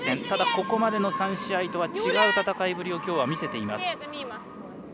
ただここまでの３試合とは違う戦いぶりをきょうは見せています。